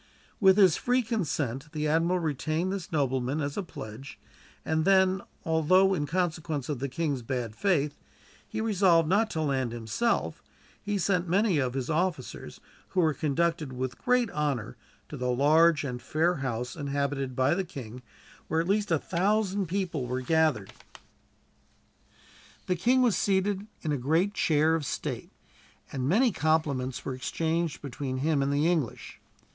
With his free consent the admiral retained this nobleman as a pledge, and then although, in consequence of the king's bad faith, he resolved not to land himself, he sent many of his officers, who were conducted with great honor to the large and fair house inhabited by the king, where at least a thousand people were gathered. The king was seated in a great chair of state, and many compliments were exchanged between him and the English.